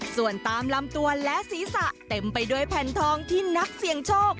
ส่วนตามลำตัวและศีรษะเต็มไปด้วยแผ่นทองที่นักเสี่ยงโชค